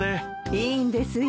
いいんですよ。